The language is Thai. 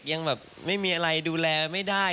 ยังแบบไม่มีอะไรดูแลไม่ได้